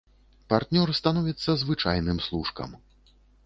Партнёр становіцца звычайным служкам.